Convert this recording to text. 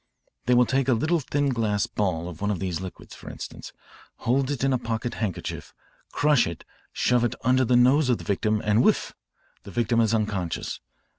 "They will take a little thin glass ball of one of these liquids, for instance, hold it in a pocket handkerchief, crush it, shove it under the nose of their victim, and whiff ! the victim is unconscious.